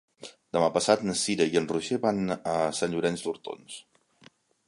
Demà passat na Cira i en Roger van a Sant Llorenç d'Hortons.